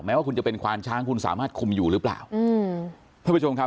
แม้ว่าคุณจะเป็นควานช้างคุณสามารถคุมอยู่หรือเปล่า